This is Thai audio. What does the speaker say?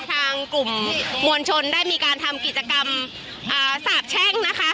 ทางกลุ่มมวลชนได้มีการทำกิจกรรมสาบแช่งนะคะ